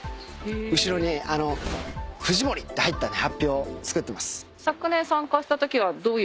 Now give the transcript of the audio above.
後ろに「藤森」って入ったね法被を作ってます。